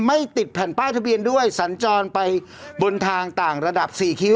ไม่ติดแผ่นป้ายทะเบียนด้วยสัญจรไปบนทางต่างระดับสี่คิ้ว